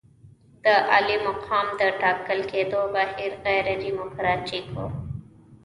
د عالي مقام د ټاکل کېدو بهیر غیر ډیموکراتیک وو.